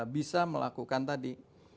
bisa melakukan tadi